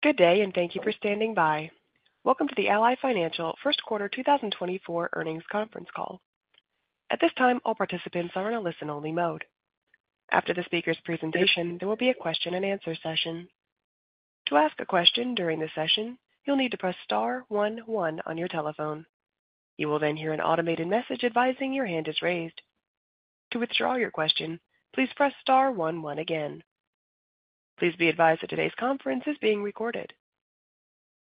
Good day and thank you for standing by. Welcome to the Ally Financial first quarter 2024 earnings conference call. At this time, all participants are in a listen-only mode. After the speaker's presentation, there will be a question-and-answer session. To ask a question during the session, you'll need to press star one one on your telephone. You will then hear an automated message advising your hand is raised. To withdraw your question, please press star one one again. Please be advised that today's conference is being recorded.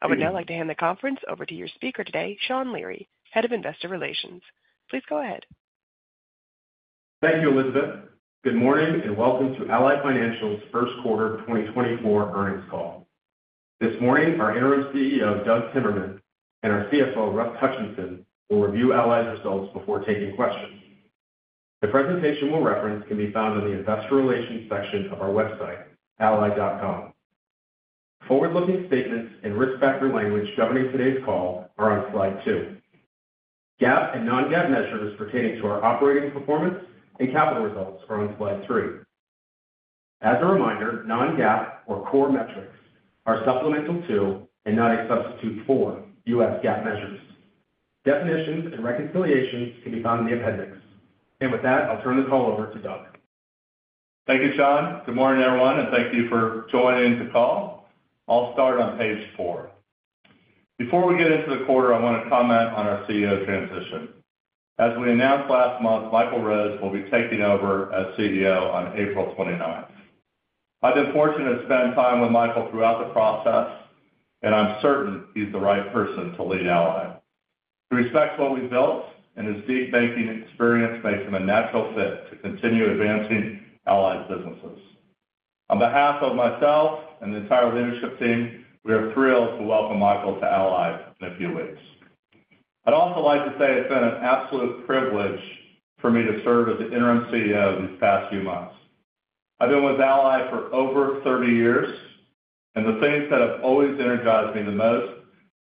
I would now like to hand the conference over to your speaker today, Sean Leary, Head of Investor Relations. Please go ahead. Thank you, Elizabeth. Good morning and welcome to Ally Financial's first quarter 2024 earnings call. This morning, our Interim CEO, Doug Timmerman, and our CFO, Russ Hutchinson, will review Ally's results before taking questions. The presentation we'll reference can be found in the investor relations section of our website, ally.com. Forward-looking statements and risk factor language governing today's call are on slide two. GAAP and non-GAAP measures pertaining to our operating performance and capital results are on slide two. As a reminder, non-GAAP or core metrics are supplemental to and not a substitute for U.S. GAAP measures. Definitions and reconciliations can be found in the appendix. With that, I'll turn the call over to Doug. Thank you, Sean. Good morning, everyone, and thank you for joining the call. I'll start on page four. Before we get into the quarter, I want to comment on our CEO transition. As we announced last month, Michael Rhodes will be taking over as CEO on April 29th. I've been fortunate to spend time with Michael throughout the process, and I'm certain he's the right person to lead Ally. He respects what we've built, and his deep banking experience makes him a natural fit to continue advancing Ally's businesses. On behalf of myself and the entire leadership team, we are thrilled to welcome Michael to Ally in a few weeks. I'd also like to say it's been an absolute privilege for me to serve as the interim CEO these past few months. I've been with Ally for over 30 years, and the things that have always energized me the most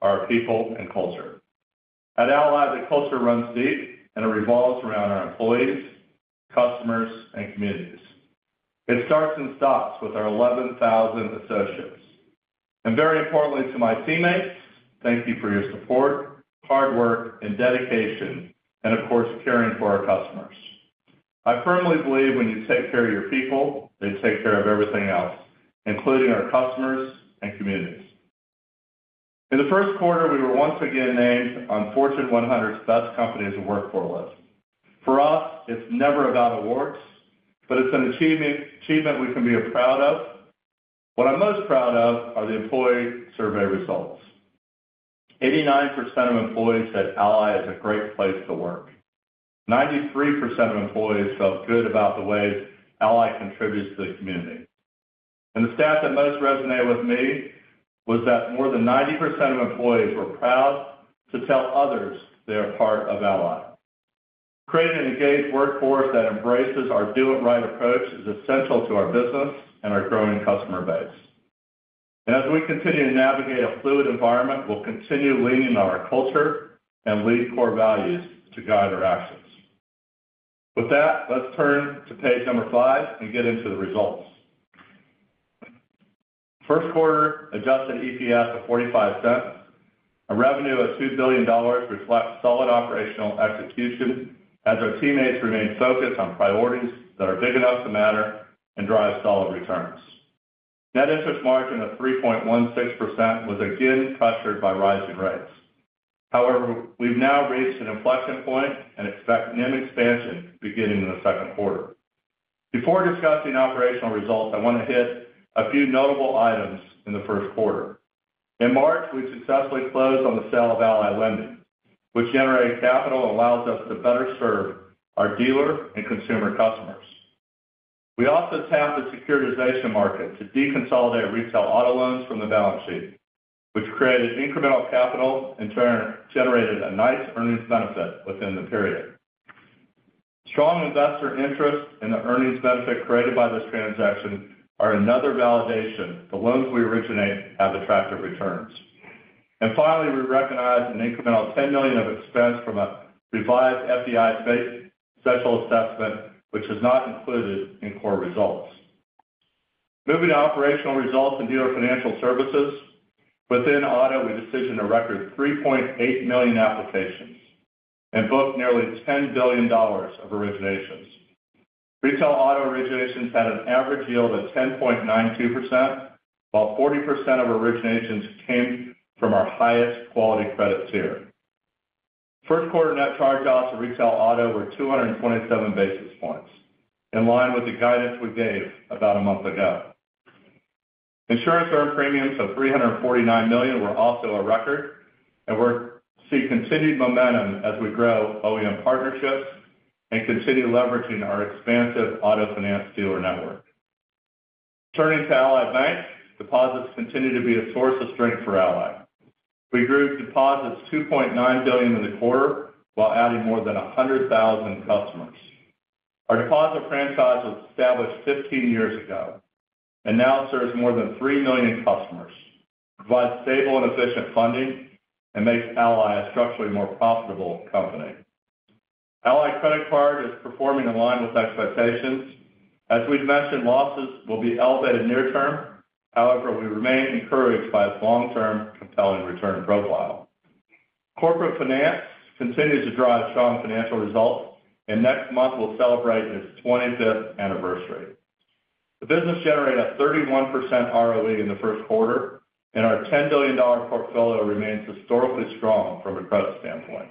are our people and culture. At Ally, the culture runs deep, and it revolves around our employees, customers, and communities. It starts and stops with our 11,000 associates. And very importantly to my teammates, thank you for your support, hard work, and dedication, and of course, caring for our customers. I firmly believe when you take care of your people, they take care of everything else, including our customers and communities. In the first quarter, we were once again named on Fortune's 100 Best Companies to Work For list. For us, it's never about awards, but it's an achievement we can be proud of. What I'm most proud of are the employee survey results. 89% of employees said Ally is a great place to work. 93% of employees felt good about the ways Ally contributes to the community. The stat that most resonated with me was that more than 90% of employees were proud to tell others they are part of Ally. Creating an engaged workforce that embraces our do-it-right approach is essential to our business and our growing customer base. As we continue to navigate a fluid environment, we'll continue leaning on our culture and lead core values to guide our actions. With that, let's turn to page number five and get into the results. First quarter adjusted EPS of $0.45, a revenue of $2 billion reflects solid operational execution as our teammates remain focused on priorities that are big enough to matter and drive solid returns. Net interest margin of 3.16% was again pressured by rising rates. However, we've now reached an inflection point and expect new expansion beginning in the second quarter. Before discussing operational results, I want to hit a few notable items in the first quarter. In March, we successfully closed on the sale of Ally Lending, which generated capital and allows us to better serve our dealer and consumer customers. We also tapped the securitization market to deconsolidate retail auto loans from the balance sheet, which created incremental capital and generated a nice earnings benefit within the period. Strong investor interest in the earnings benefit created by this transaction is another validation the loans we originate have attractive returns. And finally, we recognized an incremental $10 million of expense from a revised FDIC special assessment, which is not included in core results. Moving to operational results and Dealer Financial Services, within auto, we decisioned to record 3.8 million applications and booked nearly $10 billion of originations. Retail auto originations had an average yield of 10.92%, while 40% of originations came from our highest quality credit tier. First quarter net charge-offs of retail auto were 227 basis points, in line with the guidance we gave about a month ago. Insurance earned premiums of $349 million were also a record, and we'll see continued momentum as we grow OEM partnerships and continue leveraging our expansive auto finance dealer network. Turning to Ally Bank, deposits continue to be a source of strength for Ally. We grew deposits $2.9 billion in the quarter while adding more than 100,000 customers. Our deposit franchise was established 15 years ago and now serves more than 3 million customers, provides stable and efficient funding, and makes Ally a structurally more profitable company. Ally Credit Card is performing in line with expectations. As we've mentioned, losses will be elevated near-term. However, we remain encouraged by its long-term compelling return profile. Corporate Finance continues to drive strong financial results, and next month we'll celebrate its 25th anniversary. The business generated a 31% ROE in the first quarter, and our $10 billion portfolio remains historically strong from a credit standpoint.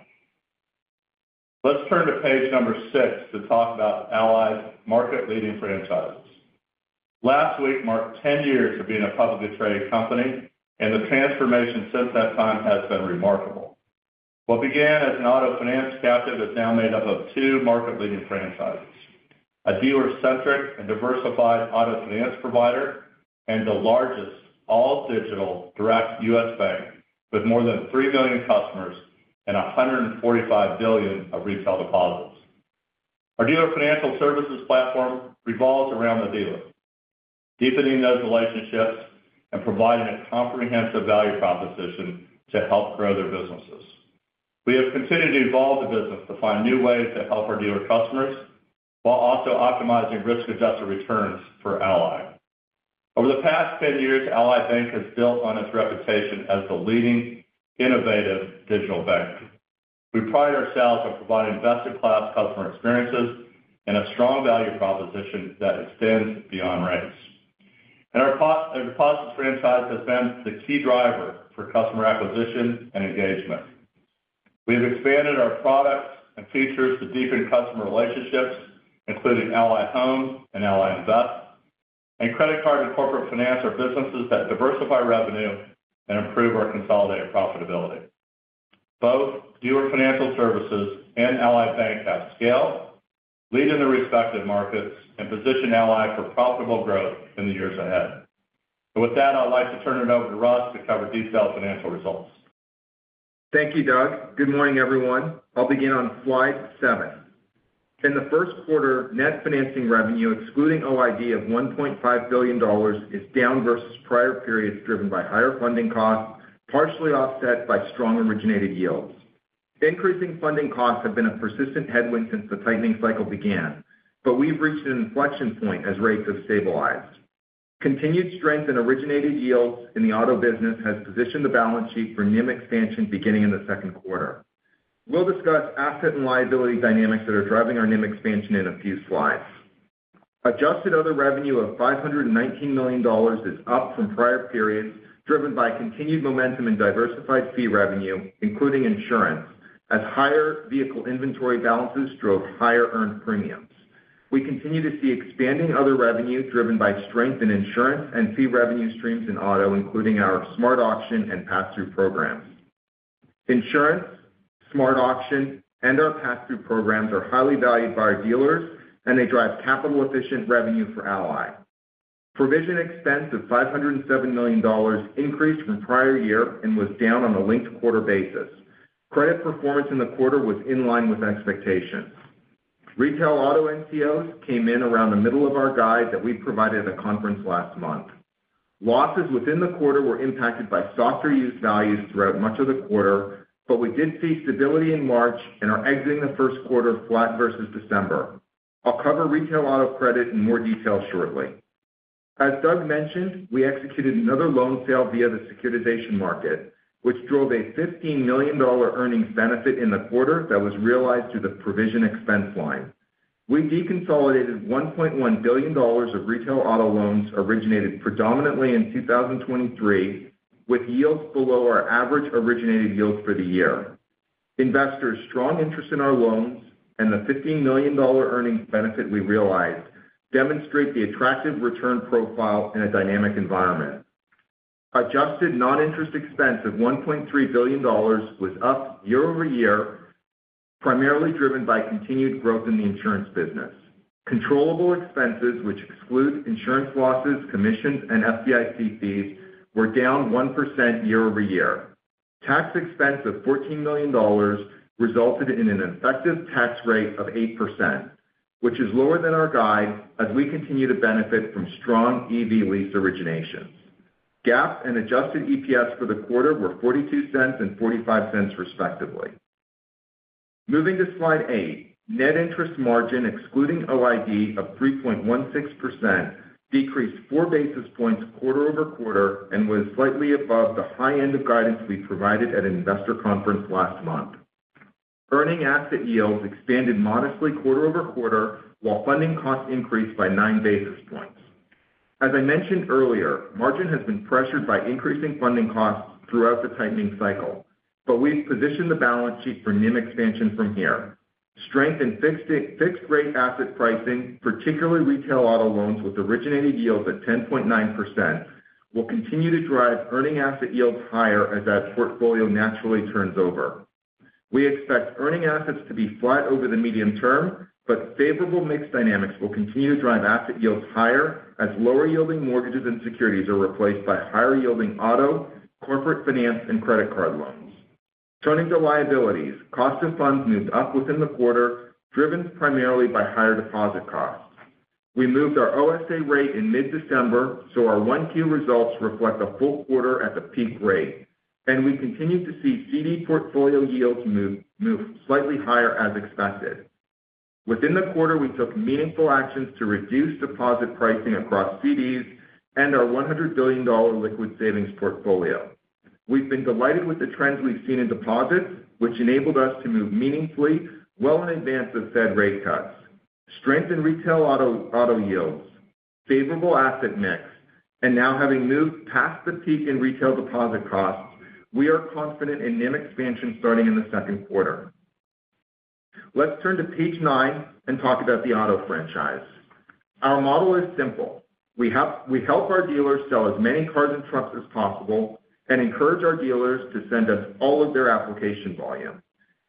Let's turn to page number six to talk about Ally's market-leading franchises. Last week marked 10 years of being a publicly traded company, and the transformation since that time has been remarkable. What began as an auto finance captive is now made up of two market-leading franchises: a dealer-centric and diversified auto finance provider and the largest, all-digital, direct U.S. bank with more than 3 million customers and $145 billion of retail deposits. Our dealer financial services platform revolves around the dealer, deepening those relationships and providing a comprehensive value proposition to help grow their businesses. We have continued to evolve the business to find new ways to help our dealer customers while also optimizing risk-adjusted returns for Ally. Over the past 10 years, Ally Bank has built on its reputation as the leading, innovative digital bank. We pride ourselves on providing best-in-class customer experiences and a strong value proposition that extends beyond rates. Our deposits franchise has been the key driver for customer acquisition and engagement. We have expanded our products and features to deepen customer relationships, including Ally Home and Ally Invest, and credit card and Corporate Finance are businesses that diversify revenue and improve our consolidated profitability. Both Dealer Financial Services and Ally Bank have scale, lead in their respective markets, and position Ally for profitable growth in the years ahead. And with that, I'd like to turn it over to Russ to cover detailed financial results. Thank you, Doug. Good morning, everyone. I'll begin on slide seven. In the first quarter, net financing revenue, excluding OID, of $1.5 billion is down versus prior periods driven by higher funding costs, partially offset by strong originated yields. Increasing funding costs have been a persistent headwind since the tightening cycle began, but we've reached an inflection point as rates have stabilized. Continued strength in originated yields in the auto business has positioned the balance sheet for new expansion beginning in the second quarter. We'll discuss asset and liability dynamics that are driving our new expansion in a few slides. Adjusted other revenue of $519 million is up from prior periods, driven by continued momentum in diversified fee revenue, including insurance, as higher vehicle inventory balances drove higher earned premiums. We continue to see expanding other revenue driven by strength in insurance and fee revenue streams in auto, including our SmartAuction and pass-through programs. Insurance, SmartAuction, and our pass-through programs are highly valued by our dealers, and they drive capital-efficient revenue for Ally. Provision expense of $507 million increased from prior year and was down on a linked quarter basis. Credit performance in the quarter was in line with expectations. Retail auto NCOs came in around the middle of our guide that we provided at a conference last month. Losses within the quarter were impacted by softer used values throughout much of the quarter, but we did see stability in March and are exiting the first quarter flat versus December. I'll cover retail auto credit in more detail shortly. As Doug mentioned, we executed another loan sale via the securitization market, which drove a $15 million earnings benefit in the quarter that was realized through the provision expense line. We deconsolidated $1.1 billion of retail auto loans originated predominantly in 2023 with yields below our average originated yields for the year. Investors' strong interest in our loans and the $15 million earnings benefit we realized demonstrate the attractive return profile in a dynamic environment. Adjusted non-interest expense of $1.3 billion was up year-over-year, primarily driven by continued growth in the insurance business. Controllable expenses, which exclude insurance losses, commissions, and FDIC fees, were down 1% year-over-year. Tax expense of $14 million resulted in an effective tax rate of 8%, which is lower than our guide as we continue to benefit from strong EV lease originations. GAAP and adjusted EPS for the quarter were $0.42 and $0.45, respectively. Moving to slide eight, net interest margin excluding OID of 3.16% decreased 4 basis points quarter-over-quarter and was slightly above the high end of guidance we provided at an investor conference last month. Earning asset yields expanded modestly quarter-over-quarter, while funding costs increased by 9 basis points. As I mentioned earlier, margin has been pressured by increasing funding costs throughout the tightening cycle, but we've positioned the balance sheet for new expansion from here. Strength in fixed-rate asset pricing, particularly retail auto loans with originated yields at 10.9%, will continue to drive earning asset yields higher as that portfolio naturally turns over. We expect earning assets to be flat over the medium term, but favorable mixed dynamics will continue to drive asset yields higher as lower-yielding mortgages and securities are replaced by higher-yielding auto, corporate finance, and credit card loans. Turning to liabilities, cost of funds moved up within the quarter, driven primarily by higher deposit costs. We moved our OSA rate in mid-December, so our 1Q results reflect a full quarter at the peak rate, and we continue to see CD portfolio yields move slightly higher as expected. Within the quarter, we took meaningful actions to reduce deposit pricing across CDs and our $100 billion liquid savings portfolio. We've been delighted with the trends we've seen in deposits, which enabled us to move meaningfully well in advance of Fed rate cuts. Strength in retail auto yields, favorable asset mix, and now having moved past the peak in retail deposit costs, we are confident in new expansion starting in the second quarter. Let's turn to page nine and talk about the auto franchise. Our model is simple. We help our dealers sell as many cars and trucks as possible and encourage our dealers to send us all of their application volume.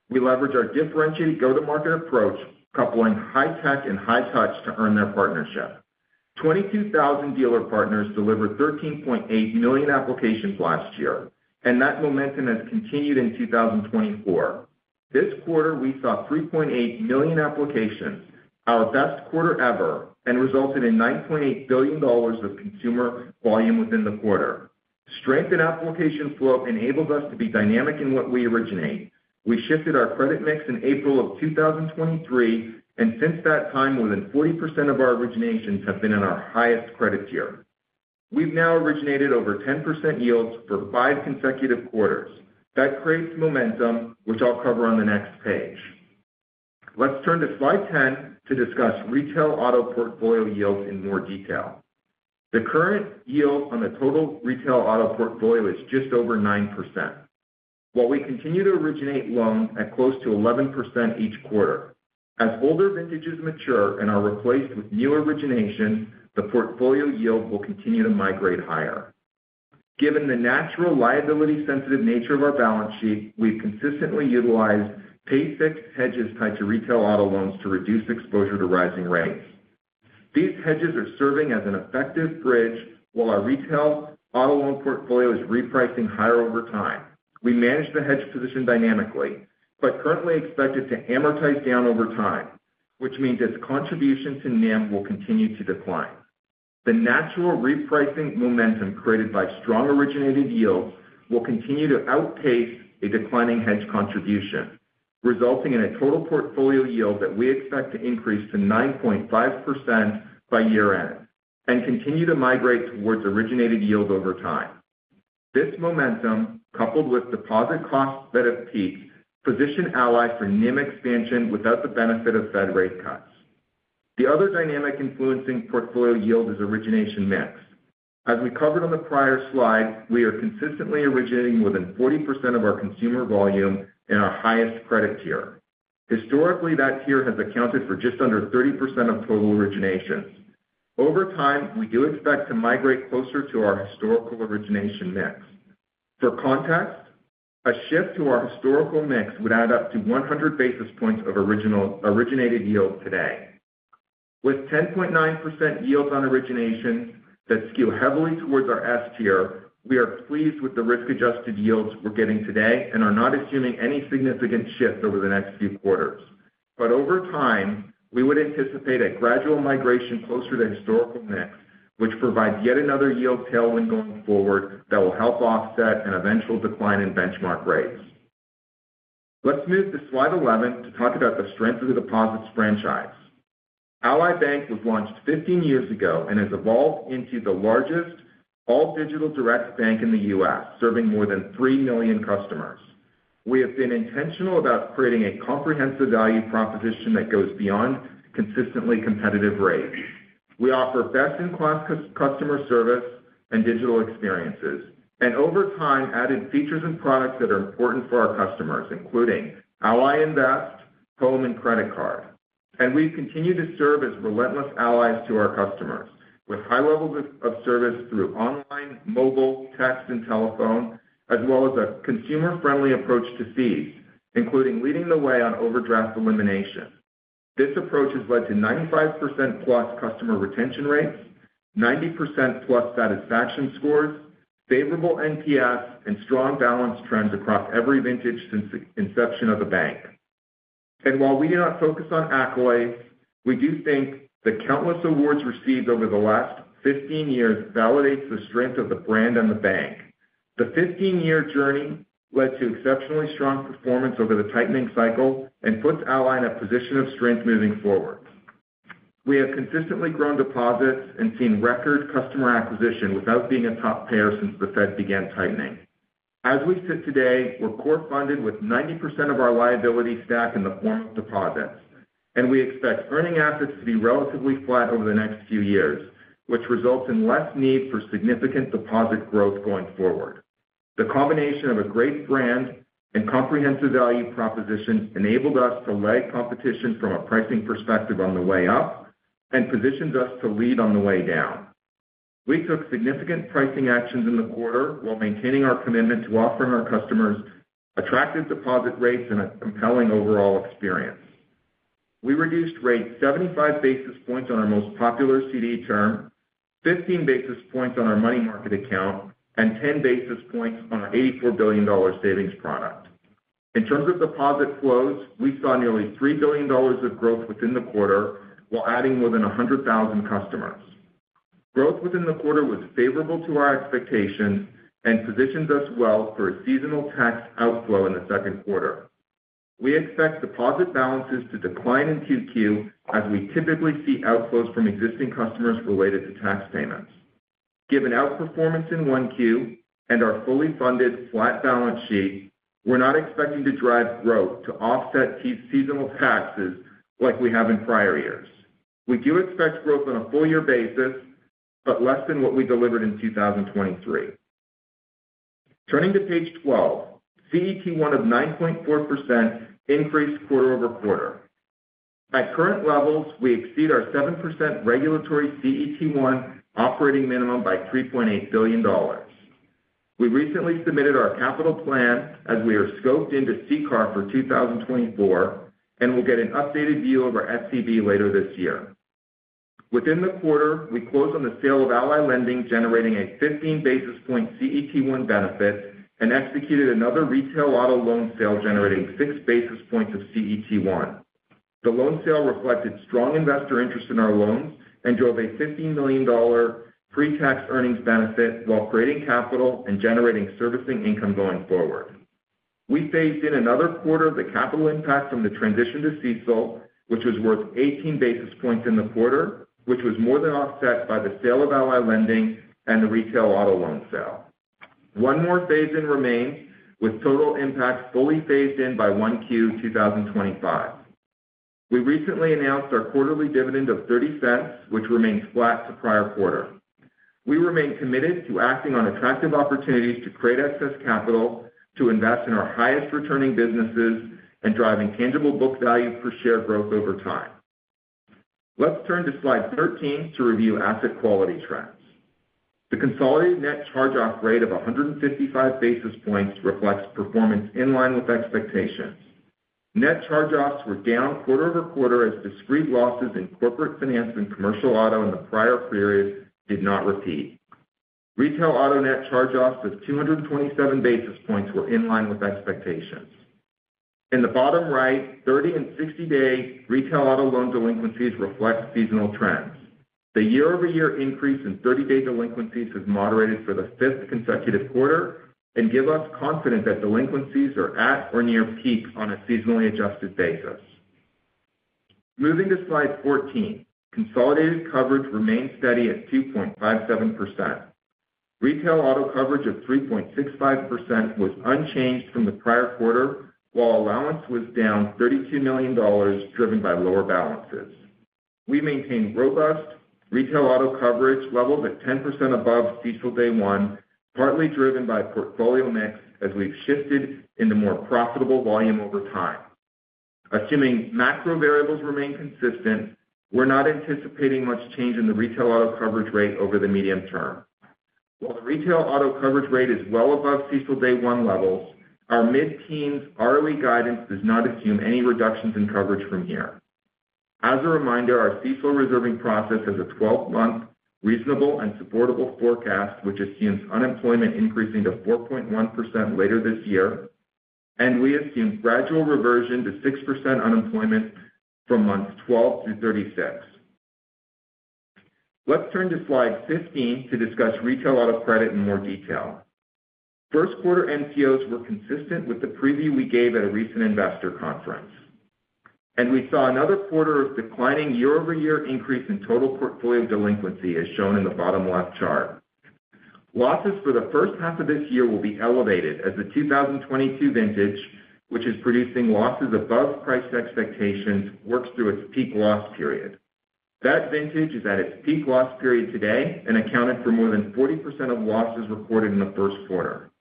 We leverage our differentiated go-to-market approach, coupling high-tech and high-touch to earn their partnership. 22,000 dealer partners delivered 13.8 million applications last year, and that momentum has continued in 2024. This quarter, we saw 3.8 million applications, our best quarter ever, and resulted in $9.8 billion of consumer volume within the quarter. Strength in application flow enables us to be dynamic in what we originate. We shifted our credit mix in April of 2023, and since that time, more than 40% of our originations have been in our highest credit tier. We've now originated over 10% yields for five consecutive quarters. That creates momentum, which I'll cover on the next page. Let's turn to slide 10 to discuss retail auto portfolio yields in more detail. The current yield on the total retail auto portfolio is just over 9%, while we continue to originate loans at close to 11% each quarter. As older vintages mature and are replaced with new originations, the portfolio yield will continue to migrate higher. Given the natural liability-sensitive nature of our balance sheet, we've consistently utilized pay-fixed hedges tied to retail auto loans to reduce exposure to rising rates. These hedges are serving as an effective bridge while our retail auto loan portfolio is repricing higher over time. We manage the hedge position dynamically but currently expect it to amortize down over time, which means its contribution to NIM will continue to decline. The natural repricing momentum created by strong originated yields will continue to outpace a declining hedge contribution, resulting in a total portfolio yield that we expect to increase to 9.5% by year-end and continue to migrate towards originated yield over time. This momentum, coupled with deposit costs that have peaked, positioned Ally for new expansion without the benefit of Fed rate cuts. The other dynamic influencing portfolio yield is origination mix. As we covered on the prior slide, we are consistently originating more than 40% of our consumer volume in our highest credit tier. Historically, that tier has accounted for just under 30% of total originations. Over time, we do expect to migrate closer to our historical origination mix. For context, a shift to our historical mix would add up to 100 basis points of originated yield today. With 10.9% yields on originations that skew heavily towards our S Tier, we are pleased with the risk-adjusted yields we're getting today and are not assuming any significant shift over the next few quarters. But over time, we would anticipate a gradual migration closer to historical mix, which provides yet another yield tailwind going forward that will help offset an eventual decline in benchmark rates. Let's move to slide 11 to talk about the strength of the deposits franchise. Ally Bank was launched 15 years ago and has evolved into the largest all-digital direct bank in the U.S., serving more than 3 million customers. We have been intentional about creating a comprehensive value proposition that goes beyond consistently competitive rates. We offer best-in-class customer service and digital experiences and, over time, added features and products that are important for our customers, including Ally Invest, Ally Home, and Ally Credit Card. We've continued to serve as relentless allies to our customers with high levels of service through online, mobile, text, and telephone, as well as a consumer-friendly approach to fees, including leading the way on overdraft elimination. This approach has led to 95%+ customer retention rates, 90%+ satisfaction scores, favorable NPS, and strong balance trends across every vintage since the inception of the bank. While we do not focus on accolades, we do think the countless awards received over the last 15 years validate the strength of the brand and the bank. The 15-year journey led to exceptionally strong performance over the tightening cycle and puts Ally in a position of strength moving forward. We have consistently grown deposits and seen record customer acquisition without being a top payer since the Fed began tightening. As we sit today, we're core-funded with 90% of our liability stack in the form of deposits, and we expect earning assets to be relatively flat over the next few years, which results in less need for significant deposit growth going forward. The combination of a great brand and comprehensive value proposition enabled us to lag competition from a pricing perspective on the way up and positions us to lead on the way down. We took significant pricing actions in the quarter while maintaining our commitment to offering our customers attractive deposit rates and a compelling overall experience. We reduced rates 75 basis points on our most popular CD term, 15 basis points on our money market account, and 10 basis points on our $84 billion savings product. In terms of deposit flows, we saw nearly $3 billion of growth within the quarter while adding more than 100,000 customers. Growth within the quarter was favorable to our expectations and positions us well for a seasonal tax outflow in the second quarter. We expect deposit balances to decline in Q2 as we typically see outflows from existing customers related to tax payments. Given outperformance in 1Q and our fully funded flat balance sheet, we're not expecting to drive growth to offset seasonal taxes like we have in prior years. We do expect growth on a full-year basis but less than what we delivered in 2023. Turning to page 12, CET1 of 9.4% increased quarter-over-quarter. At current levels, we exceed our 7% regulatory CET1 operating minimum by $3.8 billion. We recently submitted our capital plan as we are scoped into CCAR for 2024 and will get an updated view of our SCB later this year. Within the quarter, we closed on the sale of Ally Lending, generating a 15 basis points CET1 benefit, and executed another retail auto loan sale generating 6 basis points of CET1. The loan sale reflected strong investor interest in our loans and drove a $15 million pre-tax earnings benefit while creating capital and generating servicing income going forward. We phased in another quarter of the capital impact from the transition to CECL, which was worth 18 basis points in the quarter, which was more than offset by the sale of Ally Lending and the retail auto loan sale. One more phase-in remains with total impact fully phased in by 1Q 2025. We recently announced our quarterly dividend of $0.30, which remains flat to prior quarter. We remain committed to acting on attractive opportunities to create excess capital to invest in our highest-returning businesses and driving tangible book value per share growth over time. Let's turn to slide 13 to review asset quality trends. The consolidated net charge-off rate of 155 basis points reflects performance in line with expectations. Net charge-offs were down quarter-over-quarter as discrete losses in corporate finance and commercial auto in the prior period did not repeat. Retail auto net charge-offs of 227 basis points were in line with expectations. In the bottom right, 30- and 60-day retail auto loan delinquencies reflect seasonal trends. The year-over-year increase in 30-day delinquencies has moderated for the fifth consecutive quarter and gives us confidence that delinquencies are at or near peak on a seasonally adjusted basis. Moving to slide 14, consolidated coverage remains steady at 2.57%. Retail auto coverage of 3.65% was unchanged from the prior quarter while allowance was down $32 million, driven by lower balances. We maintain robust retail auto coverage levels at 10% above CECL Day 1, partly driven by portfolio mix as we've shifted into more profitable volume over time. Assuming macro variables remain consistent, we're not anticipating much change in the retail auto coverage rate over the medium term. While the retail auto coverage rate is well above CECL Day 1 levels, our mid-teens ROE guidance does not assume any reductions in coverage from here. As a reminder, our CECL reserving process has a 12-month reasonable and supportable forecast, which assumes unemployment increasing to 4.1% later this year, and we assume gradual reversion to 6% unemployment from months 12 through 36. Let's turn to slide 15 to discuss retail auto credit in more detail. First quarter NCOs were consistent with the preview we gave at a recent investor conference, and we saw another quarter of declining year-over-year increase in total portfolio delinquency, as shown in the bottom left chart. Losses for the first half of this year will be elevated as the 2022 vintage, which is producing losses above price expectations, works through its peak loss period. That vintage is at its peak loss period today and accounted for more than 40% of losses recorded in the first quarter.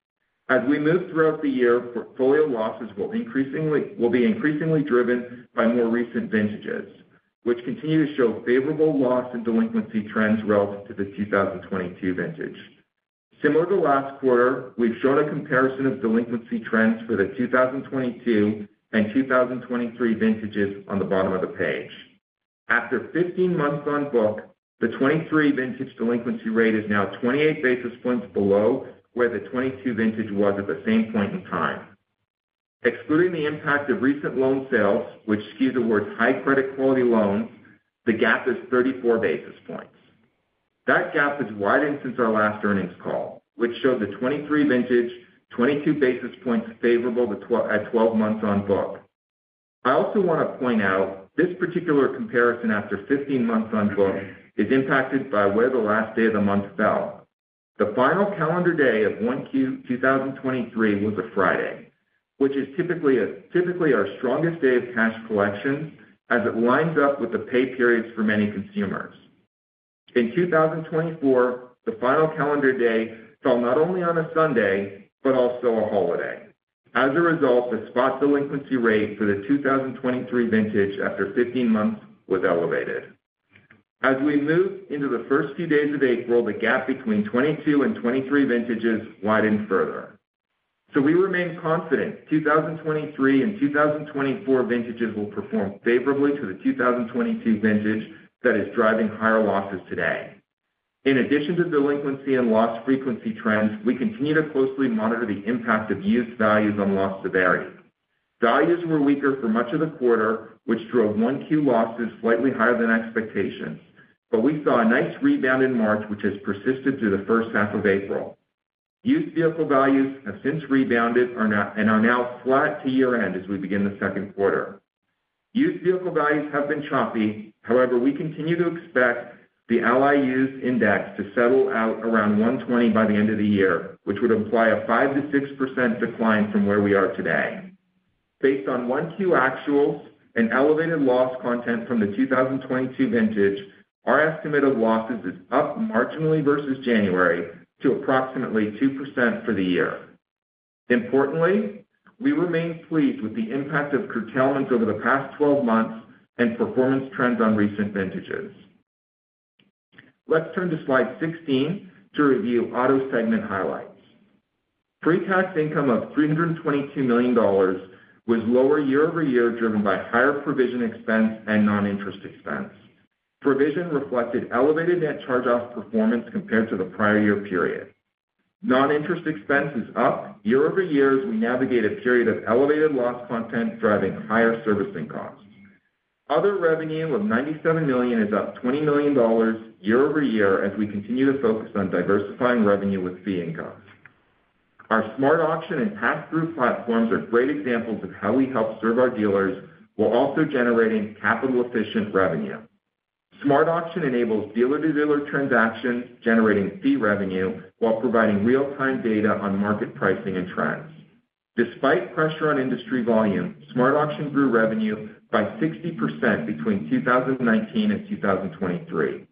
As we move throughout the year, portfolio losses will be increasingly driven by more recent vintages, which continue to show favorable loss and delinquency trends relative to the 2022 vintage. Similar to last quarter, we've shown a comparison of delinquency trends for the 2022 and 2023 vintages on the bottom of the page. After 15 months on book, the 23 vintage delinquency rate is now 28 basis points below where the 22 vintage was at the same point in time. Excluding the impact of recent loan sales, which skews towards high credit quality loans, the gap is 34 basis points. That gap has widened since our last earnings call, which showed the 23 vintage 22 basis points favorable at 12 months on book. I also want to point out this particular comparison after 15 months on book is impacted by where the last day of the month fell. The final calendar day of 1Q 2023 was a Friday, which is typically our strongest day of cash collections as it lines up with the pay periods for many consumers. In 2024, the final calendar day fell not only on a Sunday but also a holiday. As a result, the spot delinquency rate for the 2023 vintage after 15 months was elevated. As we move into the first few days of April, the gap between 2022 and 2023 vintages widened further. So we remain confident 2023 and 2024 vintages will perform favorably to the 2022 vintage that is driving higher losses today. In addition to delinquency and loss frequency trends, we continue to closely monitor the impact of used values on loss severity. Values were weaker for much of the quarter, which drove 1Q losses slightly higher than expectations, but we saw a nice rebound in March, which has persisted through the first half of April. Used vehicle values have since rebounded and are now flat to year-end as we begin the second quarter. Used vehicle values have been choppy. However, we continue to expect the Ally Used Index to settle out around 120 by the end of the year, which would imply a 5%-6% decline from where we are today. Based on 1Q actuals and elevated loss content from the 2022 vintage, our estimate of losses is up marginally versus January to approximately 2% for the year. Importantly, we remain pleased with the impact of curtailments over the past 12 months and performance trends on recent vintages. Let's turn to slide 16 to review auto segment highlights. Pre-tax income of $322 million was lower year-over-year driven by higher provision expense and non-interest expense. Provision reflected elevated net charge-off performance compared to the prior year period. Non-interest expense is up year-over-year as we navigate a period of elevated loss content driving higher servicing costs. Other revenue of $97 million is up $20 million year-over-year as we continue to focus on diversifying revenue with fee income. Our SmartAuction and pass-through platforms are great examples of how we help serve our dealers while also generating capital-efficient revenue. SmartAuction enables dealer-to-dealer transactions generating fee revenue while providing real-time data on market pricing and trends. Despite pressure on industry volume, SmartAuction grew revenue by 60% between 2019 and 2023.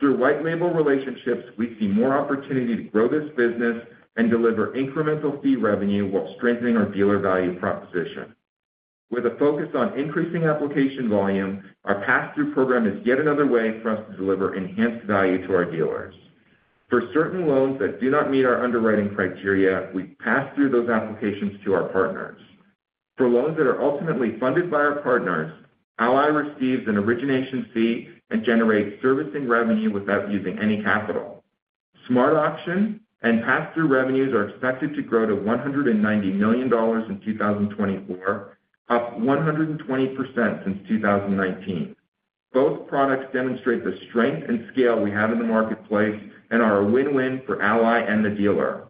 Through white-label relationships, we see more opportunity to grow this business and deliver incremental fee revenue while strengthening our dealer value proposition. With a focus on increasing application volume, our pass-through program is yet another way for us to deliver enhanced value to our dealers. For certain loans that do not meet our underwriting criteria, we pass through those applications to our partners. For loans that are ultimately funded by our partners, Ally receives an origination fee and generates servicing revenue without using any capital. SmartAuction and pass-through revenues are expected to grow to $190 million in 2024, up 120% since 2019. Both products demonstrate the strength and scale we have in the marketplace and are a win-win for Ally and the dealer.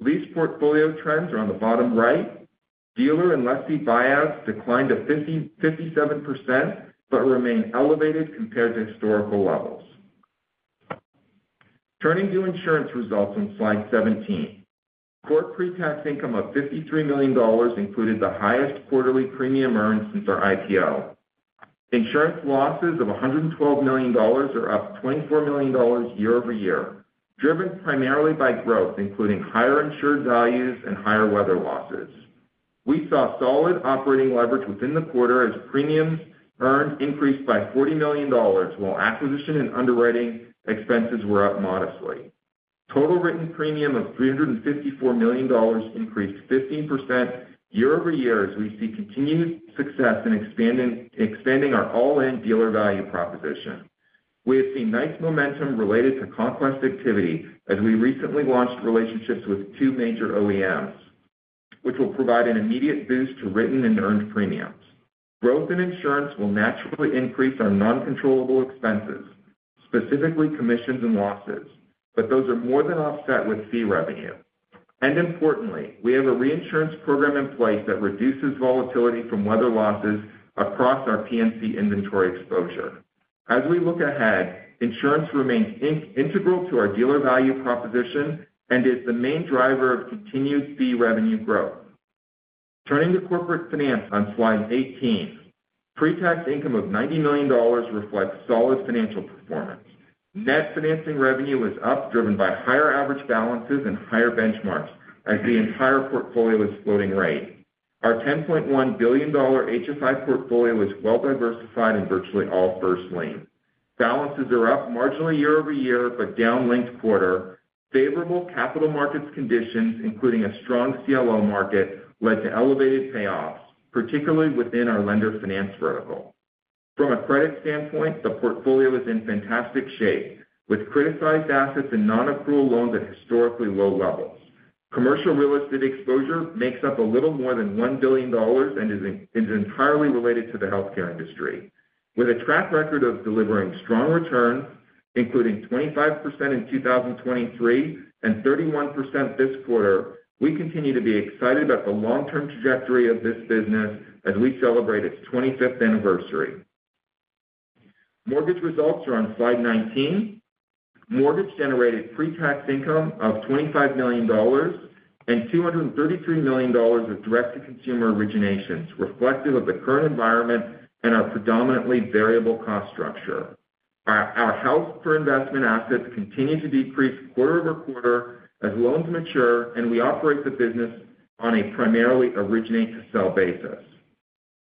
Lease portfolio trends are on the bottom right. Dealer and lessee buyouts declined to 57% but remain elevated compared to historical levels. Turning to insurance results on slide 17, core pre-tax income of $53 million included the highest quarterly premium earned since our IPO. Insurance losses of $112 million are up $24 million year-over-year, driven primarily by growth, including higher insured values and higher weather losses. We saw solid operating leverage within the quarter as premiums earned increased by $40 million while acquisition and underwriting expenses were up modestly. Total written premium of $354 million increased 15% year-over-year as we see continued success in expanding our all-in dealer value proposition. We have seen nice momentum related to conquest activity as we recently launched relationships with two major OEMs, which will provide an immediate boost to written and earned premiums. Growth in insurance will naturally increase our non-controllable expenses, specifically commissions and losses, but those are more than offset with fee revenue. And importantly, we have a reinsurance program in place that reduces volatility from weather losses across our P&C inventory exposure. As we look ahead, insurance remains integral to our dealer value proposition and is the main driver of continued fee revenue growth. Turning to corporate finance on slide 18, pre-tax income of $90 million reflects solid financial performance. Net financing revenue is up, driven by higher average balances and higher benchmarks as the entire portfolio is floating rate. Our $10.1 billion HFI portfolio is well diversified in virtually all first lien. Balances are up marginally year-over-year but down linked quarter. Favorable capital markets conditions, including a strong CLO market, led to elevated payoffs, particularly within our lender finance vertical. From a credit standpoint, the portfolio is in fantastic shape with criticized assets and non-accrual loans at historically low levels. Commercial real estate exposure makes up a little more than $1 billion and is entirely related to the healthcare industry. With a track record of delivering strong returns, including 25% in 2023 and 31% this quarter, we continue to be excited about the long-term trajectory of this business as we celebrate its 25th anniversary. Mortgage results are on slide 19. Mortgage-generated pre-tax income of $25 million and $233 million of direct-to-consumer originations reflective of the current environment and our predominantly variable cost structure. Our held-for-investment assets continue to decrease quarter-over-quarter as loans mature, and we operate the business on a primarily originate-to-sell basis.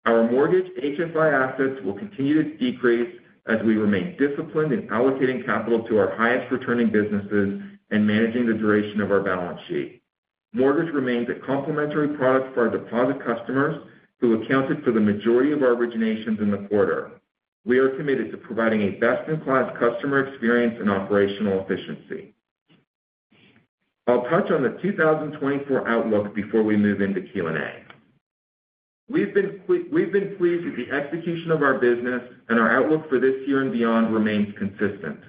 Our mortgage HFI assets will continue to decrease as we remain disciplined in allocating capital to our highest-returning businesses and managing the duration of our balance sheet. Mortgage remains a complementary product for our deposit customers who accounted for the majority of our originations in the quarter. We are committed to providing a best-in-class customer experience and operational efficiency. I'll touch on the 2024 outlook before we move into Q&A. We've been pleased with the execution of our business, and our outlook for this year and beyond remains consistent.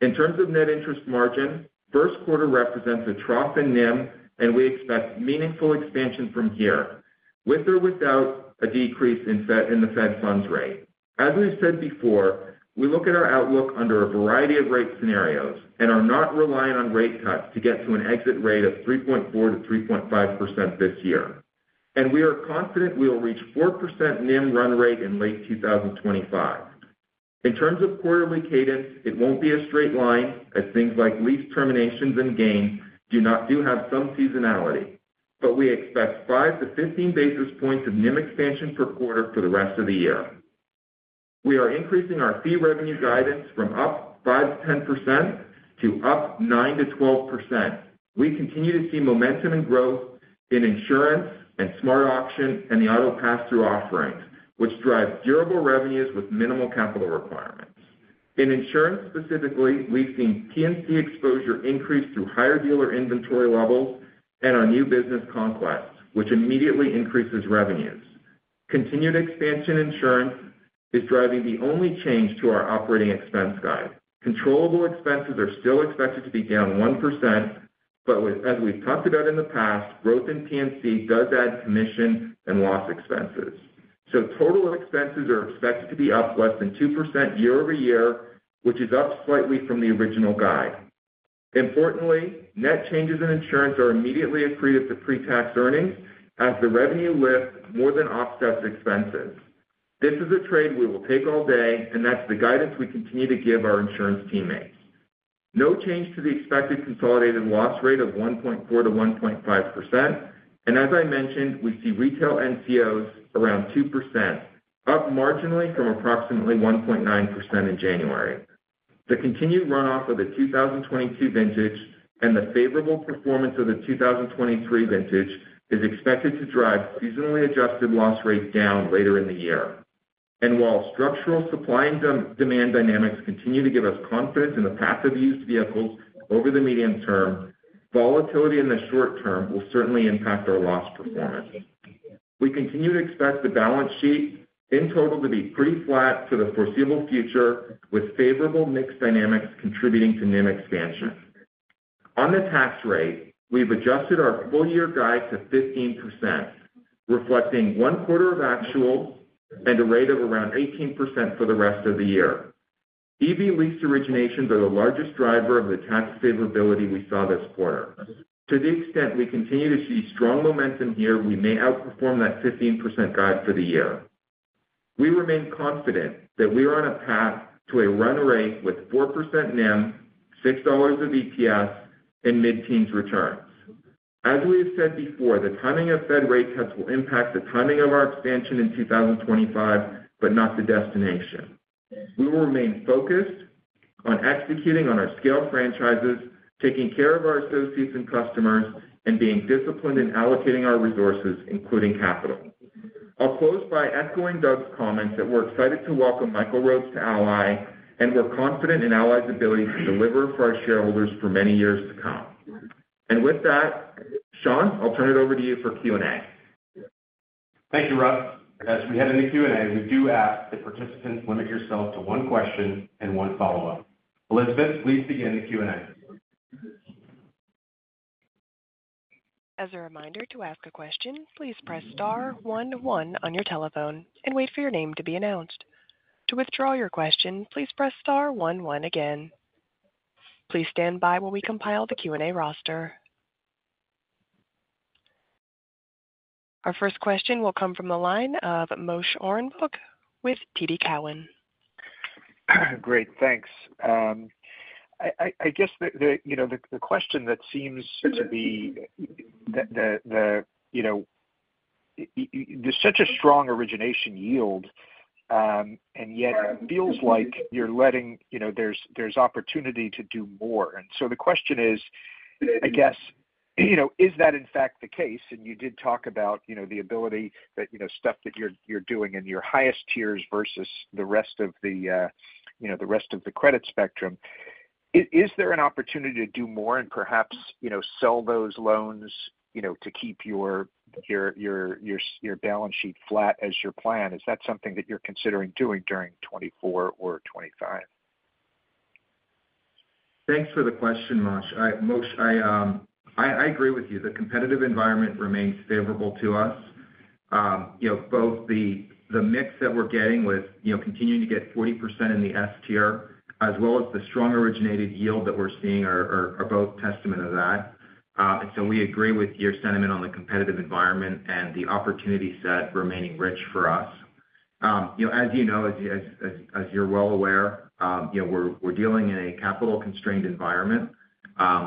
In terms of net interest margin, first quarter represents a trough in NIM, and we expect meaningful expansion from here, with or without a decrease in the Fed funds rate. As we've said before, we look at our outlook under a variety of rate scenarios and are not relying on rate cuts to get to an exit rate of 3.4%-3.5% this year. We are confident we will reach 4% NIM run rate in late 2025. In terms of quarterly cadence, it won't be a straight line as things like lease terminations and gains do have some seasonality, but we expect 5-15 basis points of NIM expansion per quarter for the rest of the year. We are increasing our fee revenue guidance from up 5%-10% to up 9%-12%. We continue to see momentum and growth in insurance and SmartAuction and the auto pass-through offerings, which drive durable revenues with minimal capital requirements. In insurance specifically, we've seen P&C exposure increase through higher dealer inventory levels and our new business conquest, which immediately increases revenues. Continued expansion insurance is driving the only change to our operating expense guide. Controllable expenses are still expected to be down 1%, but as we've talked about in the past, growth in P&C does add commission and loss expenses. So total expenses are expected to be up less than 2% year-over-year, which is up slightly from the original guide. Importantly, net changes in insurance are immediately accretive to pre-tax earnings as the revenue lift more than offsets expenses. This is a trade we will take all day, and that's the guidance we continue to give our insurance teammates. No change to the expected consolidated loss rate of 1.4%-1.5%. And as I mentioned, we see retail NCOs around 2%, up marginally from approximately 1.9% in January. The continued runoff of the 2022 vintage and the favorable performance of the 2023 vintage is expected to drive seasonally adjusted loss rates down later in the year. And while structural supply and demand dynamics continue to give us confidence in the path of used vehicles over the medium term, volatility in the short term will certainly impact our loss performance. We continue to expect the balance sheet in total to be pretty flat for the foreseeable future, with favorable mixed dynamics contributing to NIM expansion. On the tax rate, we've adjusted our full-year guide to 15%, reflecting one quarter of actuals and a rate of around 18% for the rest of the year. EV lease originations are the largest driver of the tax favorability we saw this quarter. To the extent we continue to see strong momentum here, we may outperform that 15% guide for the year. We remain confident that we are on a path to a run rate with 4% NIM, $6 of EPS, and mid-teens returns. As we have said before, the timing of Fed rate cuts will impact the timing of our expansion in 2025, but not the destination. We will remain focused on executing on our scale franchises, taking care of our associates and customers, and being disciplined in allocating our resources, including capital. I'll close by echoing Doug's comments that we're excited to welcome Michael Rhodes to Ally, and we're confident in Ally's ability to deliver for our shareholders for many years to come. And with that, Sean, I'll turn it over to you for Q&A. Thank you, Russ. As we head into Q&A, we do ask that participants limit yourself to one question and one follow-up. Elizabeth, please begin the Q&A. As a reminder to ask a question, please press star one one on your telephone and wait for your name to be announced. To withdraw your question, please press star one one again. Please stand by while we compile the Q&A roster. Our first question will come from the line of Moshe Orenbuch with TD Cowen. Great. Thanks. I guess the question that seems to be that there's such a strong origination yield, and yet it feels like you're leaving opportunity to do more. And so the question is, I guess, is that in fact the case? And you did talk about the ability that stuff that you're doing in your highest tiers versus the rest of the credit spectrum. Is there an opportunity to do more and perhaps sell those loans to keep your balance sheet flat as your plan? Is that something that you're considering doing during 2024 or 2025? Thanks for the question, Moshe. Moshe, I agree with you. The competitive environment remains favorable to us. Both the mix that we're getting with continuing to get 40% in the S Tier as well as the strong originated yield that we're seeing are both testament to that. And so we agree with your sentiment on the competitive environment and the opportunity set remaining rich for us. As you know, as you're well aware, we're dealing in a capital-constrained environment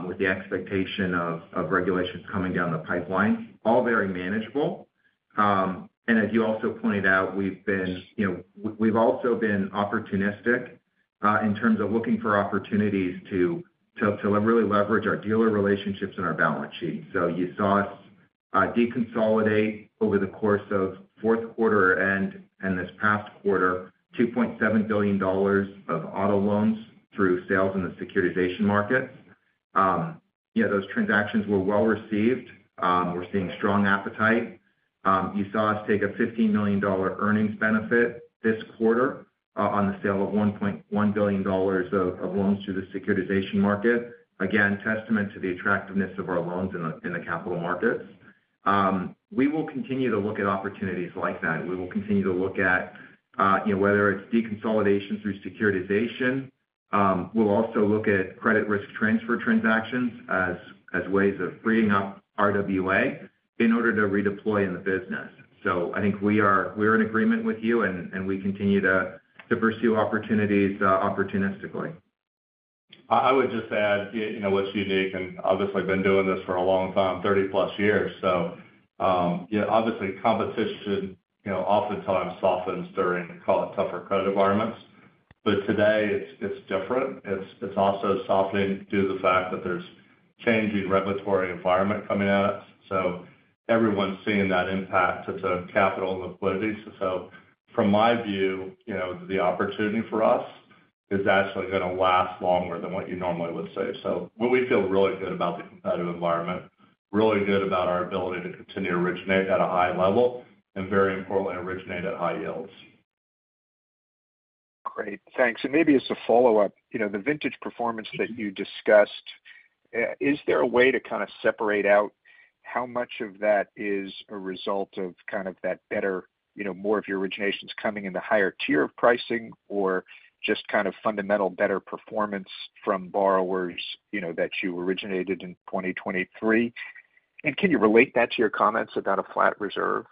with the expectation of regulations coming down the pipeline, all very manageable. And as you also pointed out, we've also been opportunistic in terms of looking for opportunities to really leverage our dealer relationships and our balance sheet. So you saw us deconsolidate over the course of fourth quarter and this past quarter, $2.7 billion of auto loans through sales in the securitization markets. Those transactions were well received. We're seeing strong appetite. You saw us take a $15 million earnings benefit this quarter on the sale of $1.1 billion of loans through the securitization market, again, testament to the attractiveness of our loans in the capital markets. We will continue to look at opportunities like that. We will continue to look at whether it's deconsolidation through securitization. We'll also look at credit risk transfer transactions as ways of freeing up RWA in order to redeploy in the business. So I think we are in agreement with you, and we continue to pursue opportunities opportunistically. I would just add what's unique, and obviously, I've been doing this for a long time, 30+ years. So obviously, competition oftentimes softens during, call it, tougher credit environments. But today, it's different. It's also softening due to the fact that there's changing regulatory environment coming at us. So everyone's seeing that impact to capital and liquidity. So from my view, the opportunity for us is actually going to last longer than what you normally would say. So we feel really good about the competitive environment, really good about our ability to continue to originate at a high level, and very importantly, originate at high yields. Great. Thanks. And maybe as a follow-up, the vintage performance that you discussed, is there a way to kind of separate out how much of that is a result of kind of that better more of your originations coming in the higher tier of pricing or just kind of fundamental better performance from borrowers that you originated in 2023? And can you relate that to your comments about a flat reserve?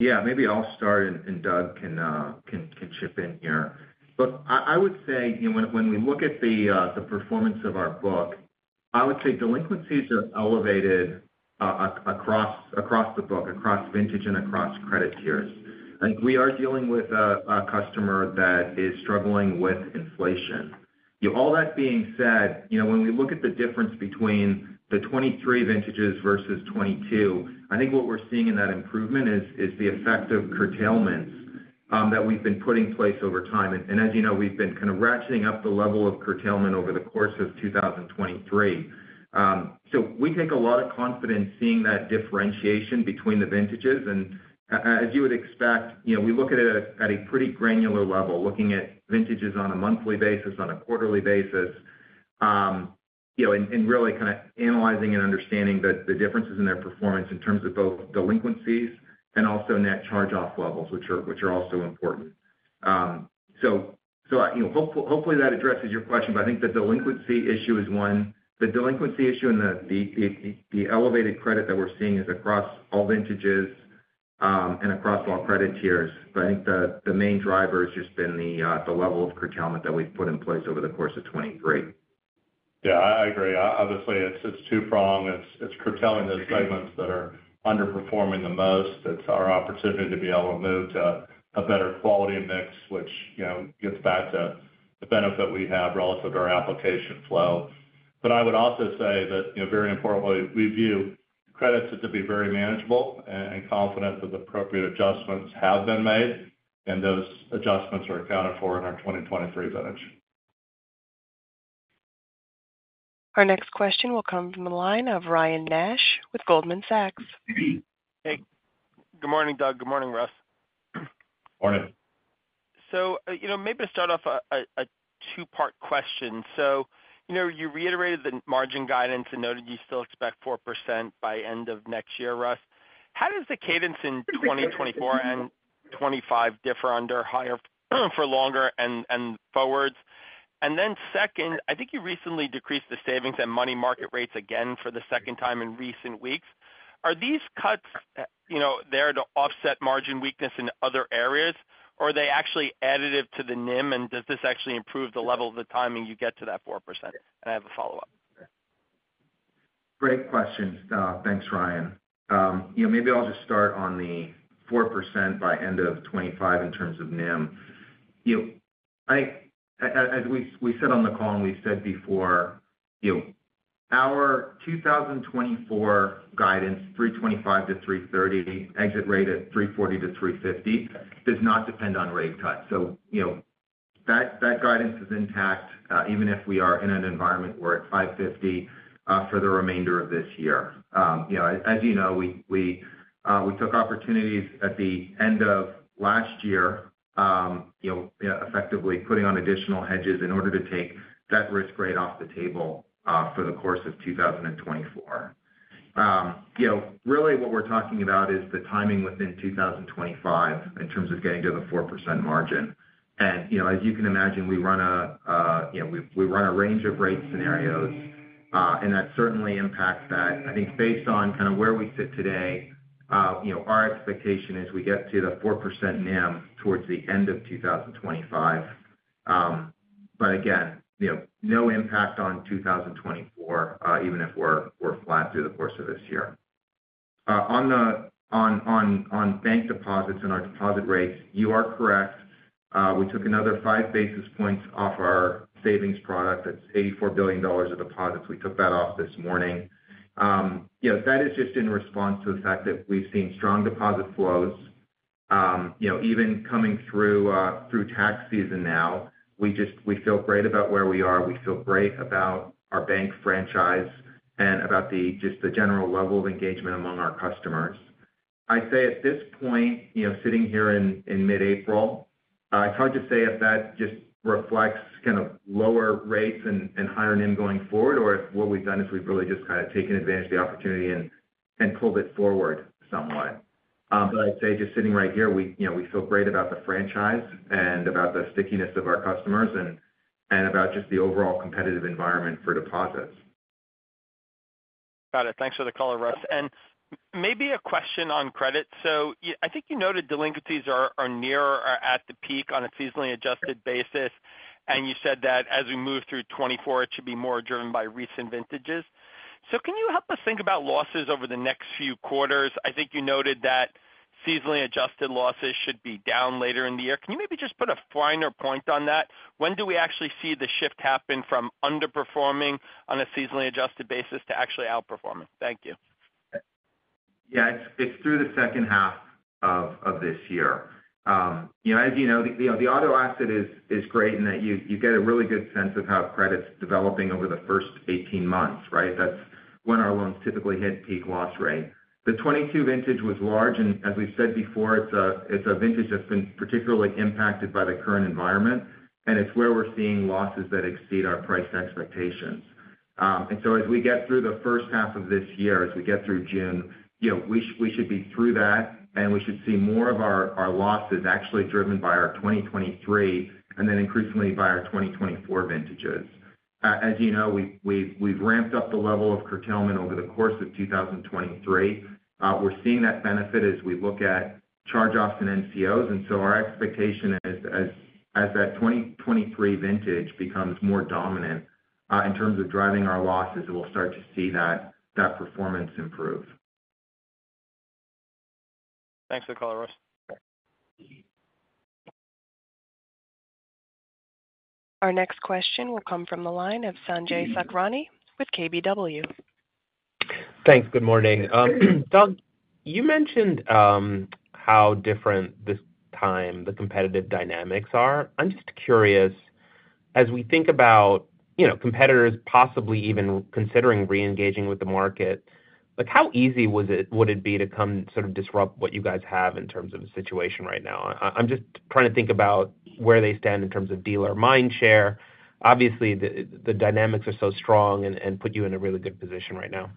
Yeah. Maybe I'll start, and Doug can chip in here. But I would say when we look at the performance of our book, I would say delinquencies are elevated across the book, across vintage and across credit tiers. I think we are dealing with a customer that is struggling with inflation. All that being said, when we look at the difference between the 2023 vintages versus 2022, I think what we're seeing in that improvement is the effect of curtailments that we've been putting in place over time. And as you know, we've been kind of ratcheting up the level of curtailment over the course of 2023. So we take a lot of confidence seeing that differentiation between the vintages. As you would expect, we look at it at a pretty granular level, looking at vintages on a monthly basis, on a quarterly basis, and really kind of analyzing and understanding the differences in their performance in terms of both delinquencies and also net charge-off levels, which are also important. Hopefully, that addresses your question, but I think the delinquency issue is one. The delinquency issue and the elevated credit that we're seeing is across all vintages and across all credit tiers. But I think the main driver has just been the level of curtailment that we've put in place over the course of 2023. Yeah. I agree. Obviously, it's two-pronged. It's curtailing those segments that are underperforming the most. It's our opportunity to be able to move to a better quality mix, which gets back to the benefit we have relative to our application flow. But I would also say that, very importantly, we view credits to be very manageable and confident that the appropriate adjustments have been made, and those adjustments are accounted for in our 2023 vintage. Our next question will come from the line of Ryan Nash with Goldman Sachs. Hey. Good morning, Doug. Good morning, Russ. Morning. So maybe to start off, a two-part question. So you reiterated the margin guidance and noted you still expect 4% by end of next year, Russ. How does the cadence in 2024 and 2025 differ under higher for longer and forwards? And then second, I think you recently decreased the savings and money market rates again for the second time in recent weeks. Are these cuts there to offset margin weakness in other areas, or are they actually additive to the NIM, and does this actually improve the level of the timing you get to that 4%? And I have a follow-up. Great question. Thanks, Ryan. Maybe I'll just start on the 4% by end of 2025 in terms of NIM. As we said on the call and we said before, our 2024 guidance, 325-330, exit rate at 340-350, does not depend on rate cuts. So that guidance is intact even if we are in an environment where it's 550 for the remainder of this year. As you know, we took opportunities at the end of last year, effectively putting on additional hedges in order to take that risk rate off the table for the course of 2024. Really, what we're talking about is the timing within 2025 in terms of getting to the 4% margin. And as you can imagine, we run a range of rate scenarios, and that certainly impacts that. I think based on kind of where we sit today, our expectation is we get to the 4% NIM towards the end of 2025. But again, no impact on 2024 even if we're flat through the course of this year. On bank deposits and our deposit rates, you are correct. We took another five basis points off our savings product. That's $84 billion of deposits. We took that off this morning. That is just in response to the fact that we've seen strong deposit flows. Even coming through tax season now, we feel great about where we are. We feel great about our bank franchise and about just the general level of engagement among our customers. I'd say at this point, sitting here in mid-April, it's hard to say if that just reflects kind of lower rates and higher NIM going forward or if what we've done is we've really just kind of taken advantage of the opportunity and pulled it forward somewhat. But I'd say just sitting right here, we feel great about the franchise and about the stickiness of our customers and about just the overall competitive environment for deposits. Got it. Thanks for the color, Russ. And maybe a question on credit. So I think you noted delinquencies are near or at the peak on a seasonally adjusted basis, and you said that as we move through 2024, it should be more driven by recent vintages. So can you help us think about losses over the next few quarters? I think you noted that seasonally adjusted losses should be down later in the year. Can you maybe just put a finer point on that? When do we actually see the shift happen from underperforming on a seasonally adjusted basis to actually outperforming? Thank you. Yeah. It's through the second half of this year. As you know, the auto asset is great in that you get a really good sense of how credit's developing over the first 18 months, right? That's when our loans typically hit peak loss rate. The 2022 vintage was large, and as we've said before, it's a vintage that's been particularly impacted by the current environment, and it's where we're seeing losses that exceed our price expectations. And so as we get through the first half of this year, as we get through June, we should be through that, and we should see more of our losses actually driven by our 2023 and then increasingly by our 2024 vintages. As you know, we've ramped up the level of curtailment over the course of 2023. We're seeing that benefit as we look at charge-offs and NCOs. And so our expectation is as that 2023 vintage becomes more dominant in terms of driving our losses, we'll start to see that performance improve. Thanks for the color, Russ. Our next question will come from the line of Sanjay Sakhrani with KBW. Thanks. Good morning. Doug, you mentioned how different this time the competitive dynamics are. I'm just curious, as we think about competitors possibly even considering re-engaging with the market, how easy would it be to come sort of disrupt what you guys have in terms of the situation right now? I'm just trying to think about where they stand in terms of dealer mindshare. Obviously, the dynamics are so strong and put you in a really good position right now.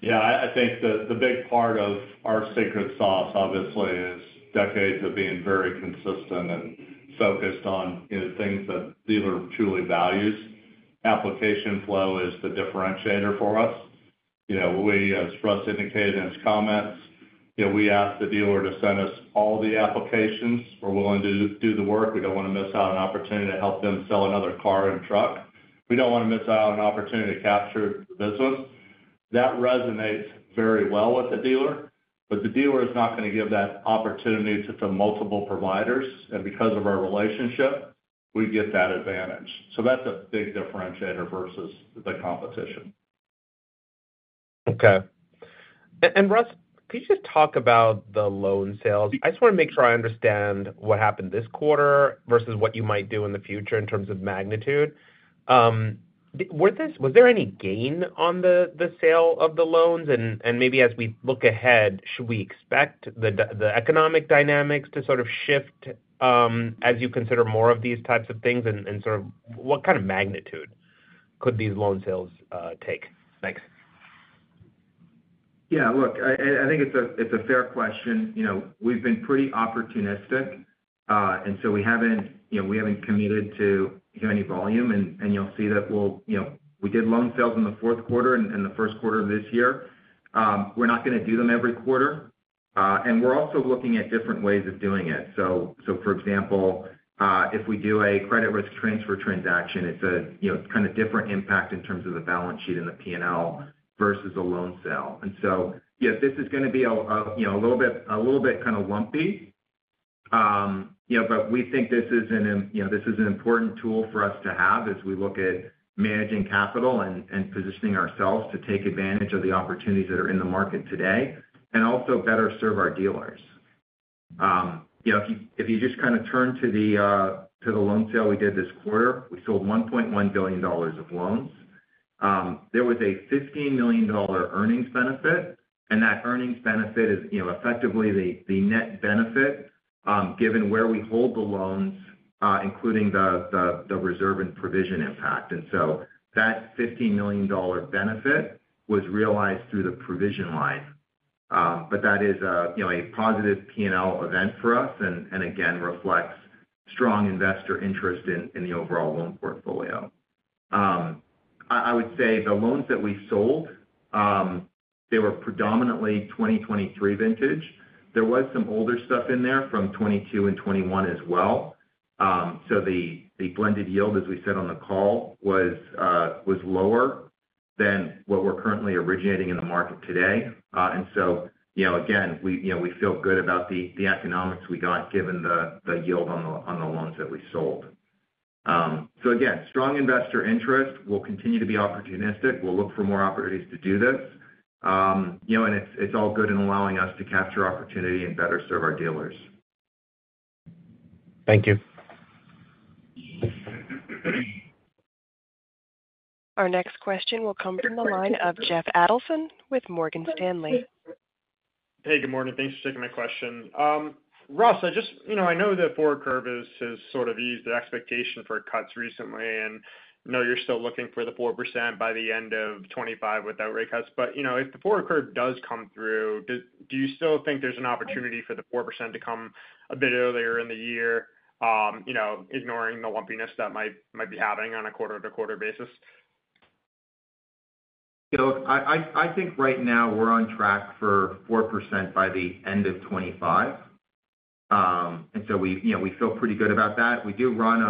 Yeah. I think the big part of our secret sauce, obviously, is decades of being very consistent and focused on things that dealer truly values. Application flow is the differentiator for us. We, as Russ indicated in his comments, we ask the dealer to send us all the applications. We're willing to do the work. We don't want to miss out on an opportunity to help them sell another car and truck. We don't want to miss out on an opportunity to capture the business. That resonates very well with the dealer, but the dealer is not going to give that opportunity to multiple providers. And because of our relationship, we get that advantage. So that's a big differentiator versus the competition. Okay. And Russ, could you just talk about the loan sales? I just want to make sure I understand what happened this quarter versus what you might do in the future in terms of magnitude. Was there any gain on the sale of the loans? And maybe as we look ahead, should we expect the economic dynamics to sort of shift as you consider more of these types of things? And sort of what kind of magnitude could these loan sales take? Thanks. Yeah. Look, I think it's a fair question. We've been pretty opportunistic, and so we haven't committed to any volume. You'll see that we did loan sales in the fourth quarter and the first quarter of this year. We're not going to do them every quarter. We're also looking at different ways of doing it. For example, if we do a credit risk transfer transaction, it's a kind of different impact in terms of the balance sheet and the P&L versus a loan sale. This is going to be a little bit kind of lumpy, but we think this is an important tool for us to have as we look at managing capital and positioning ourselves to take advantage of the opportunities that are in the market today and also better serve our dealers. If you just kind of turn to the loan sale we did this quarter, we sold $1.1 billion of loans. There was a $15 million earnings benefit, and that earnings benefit is effectively the net benefit given where we hold the loans, including the reserve and provision impact. And so that $15 million benefit was realized through the provision line. But that is a positive P&L event for us and, again, reflects strong investor interest in the overall loan portfolio. I would say the loans that we sold, they were predominantly 2023 vintage. There was some older stuff in there from 2022 and 2021 as well. So the blended yield, as we said on the call, was lower than what we're currently originating in the market today. And so again, we feel good about the economics we got given the yield on the loans that we sold. So again, strong investor interest. We'll continue to be opportunistic. We'll look for more opportunities to do this. And it's all good in allowing us to capture opportunity and better serve our dealers. Thank you. Our next question will come from the line of Jeff Adelson with Morgan Stanley. Hey. Good morning. Thanks for taking my question. Russ, I know the forward curve has sort of eased the expectation for cuts recently, and I know you're still looking for the 4% by the end of 2025 without rate cuts. But if the forward curve does come through, do you still think there's an opportunity for the 4% to come a bit earlier in the year, ignoring the lumpiness that might be happening on a quarter-to-quarter basis? I think right now, we're on track for 4% by the end of 2025. And so we feel pretty good about that. We do run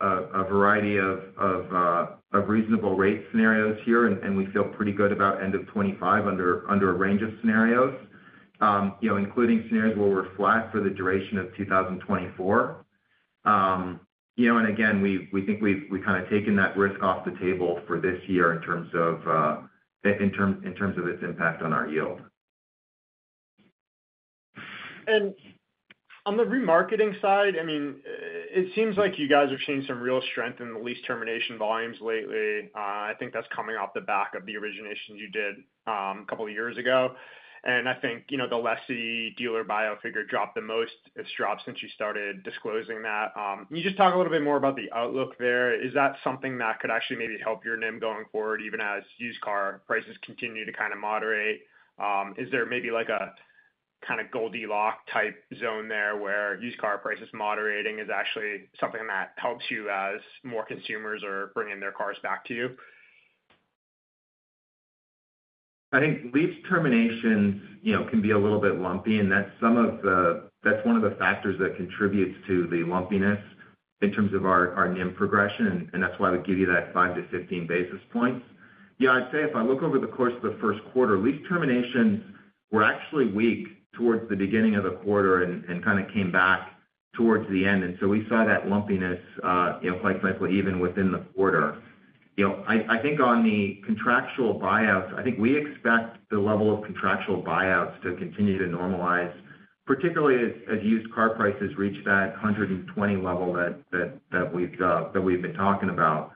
a variety of reasonable rate scenarios here, and we feel pretty good about end of 2025 under a range of scenarios, including scenarios where we're flat for the duration of 2024. And again, we think we've kind of taken that risk off the table for this year in terms of its impact on our yield. On the remarketing side, I mean, it seems like you guys are seeing some real strength in the lease termination volumes lately. I think that's coming off the back of the originations you did a couple of years ago. I think the lessee dealer buy figure dropped the most. It's dropped since you started disclosing that. Can you just talk a little bit more about the outlook there? Is that something that could actually maybe help your NIM going forward, even as used car prices continue to kind of moderate? Is there maybe a kind of Goldilocks-type zone there where used car prices moderating is actually something that helps you as more consumers are bringing their cars back to you? I think lease terminations can be a little bit lumpy, and that's one of the factors that contributes to the lumpiness in terms of our NIM progression. And that's why we give you that 5-15 basis points. I'd say if I look over the course of the first quarter, lease terminations were actually weak towards the beginning of the quarter and kind of came back towards the end. And so we saw that lumpiness, quite frankly, even within the quarter. I think on the contractual buyouts, I think we expect the level of contractual buyouts to continue to normalize, particularly as used car prices reach that 120 level that we've been talking about.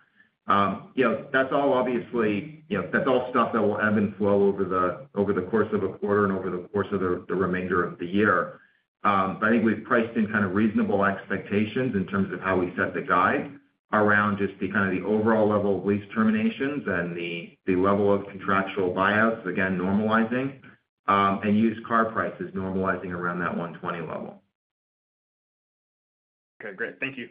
That's all obviously that's all stuff that will ebb and flow over the course of a quarter and over the course of the remainder of the year. But I think we've priced in kind of reasonable expectations in terms of how we set the guide around just kind of the overall level of lease terminations and the level of contractual buyouts, again, normalizing and used car prices normalizing around that 120 level. Okay. Great. Thank you.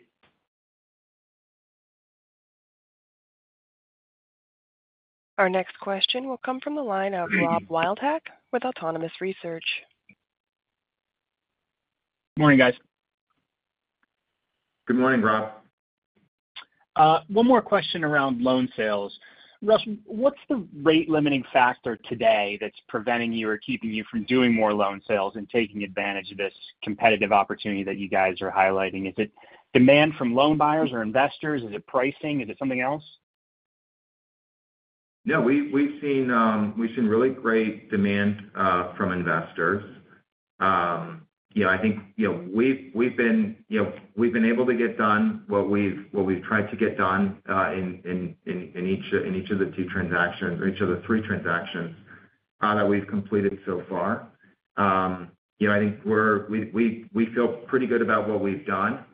Our next question will come from the line of Rob Wildhack with Autonomous Research. Morning, guys. Good morning, Rob. One more question around loan sales. Russ, what's the rate-limiting factor today that's preventing you or keeping you from doing more loan sales and taking advantage of this competitive opportunity that you guys are highlighting? Is it demand from loan buyers or investors? Is it pricing? Is it something else? Yeah. We've seen really great demand from investors. I think we've been able to get done what we've tried to get done in each of the two transactions or each of the three transactions that we've completed so far. I think we feel pretty good about what we've done.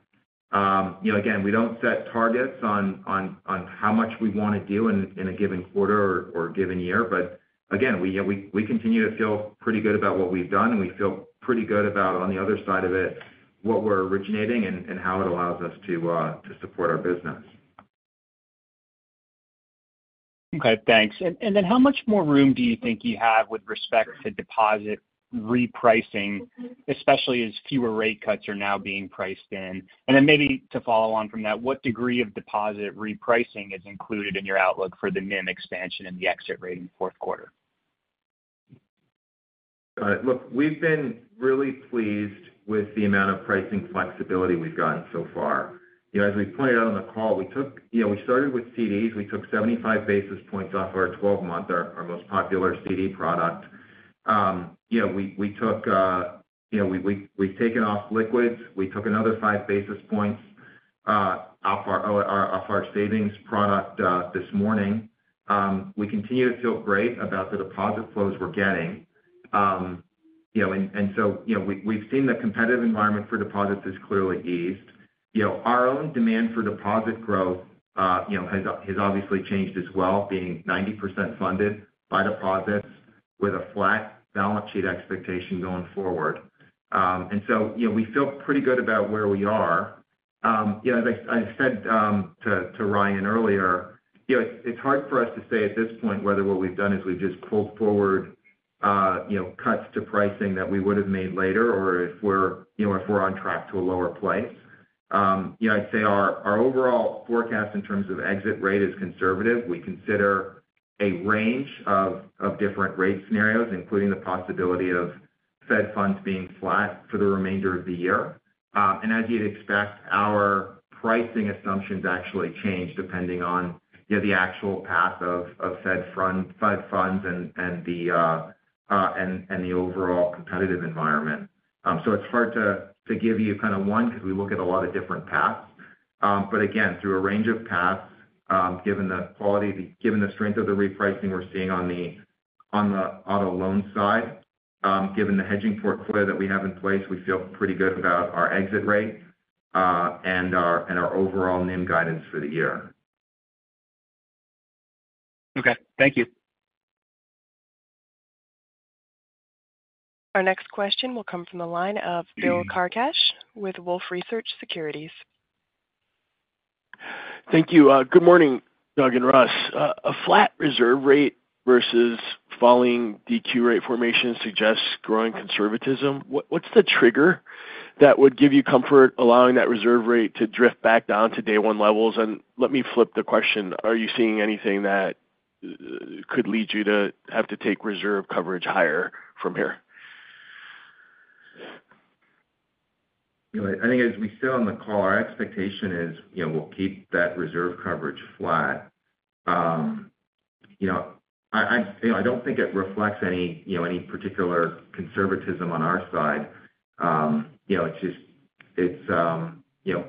Again, we don't set targets on how much we want to do in a given quarter or a given year. But again, we continue to feel pretty good about what we've done, and we feel pretty good about, on the other side of it, what we're originating and how it allows us to support our business. Okay. Thanks. And then how much more room do you think you have with respect to deposit repricing, especially as fewer rate cuts are now being priced in? And then maybe to follow on from that, what degree of deposit repricing is included in your outlook for the NIM expansion and the exit rate in the fourth quarter? Look, we've been really pleased with the amount of pricing flexibility we've gotten so far. As we pointed out on the call, we started with CDs. We took 75 basis points off our 12-month, our most popular CD product. We've taken off liquids. We took another five basis points off our savings product this morning. We continue to feel great about the deposit flows we're getting. And so we've seen the competitive environment for deposits is clearly eased. Our own demand for deposit growth has obviously changed as well, being 90% funded by deposits with a flat balance sheet expectation going forward. And so we feel pretty good about where we are. As I said to Ryan earlier, it's hard for us to say at this point whether what we've done is we've just pulled forward cuts to pricing that we would have made later or if we're on track to a lower place. I'd say our overall forecast in terms of exit rate is conservative. We consider a range of different rate scenarios, including the possibility of Fed funds being flat for the remainder of the year. And as you'd expect, our pricing assumptions actually change depending on the actual path of Fed funds and the overall competitive environment. So it's hard to give you kind of one because we look at a lot of different paths. But again, through a range of paths, given the quality given the strength of the repricing we're seeing on the auto loan side, given the hedging portfolio that we have in place, we feel pretty good about our exit rate and our overall NIM guidance for the year. Okay. Thank you. Our next question will come from the line of Bill Carcache with Wolfe Research. Thank you. Good morning, Doug and Russ. A flat reserve rate versus falling DQ rate formation suggests growing conservatism. What's the trigger that would give you comfort allowing that reserve rate to drift back down to day one levels? And let me flip the question. Are you seeing anything that could lead you to have to take reserve coverage higher from here? I think as we sit on the call, our expectation is we'll keep that reserve coverage flat. I don't think it reflects any particular conservatism on our side. It's just,